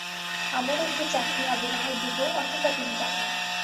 আমারো একটি চাকরি হবে, নাহয় দুটো, অথবা তিনটা।